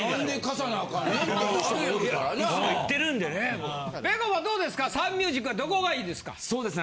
サンミュージックはどこがいいですか？